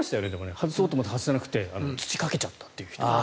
外そうと思って外せなくて土をかけちゃったっていう。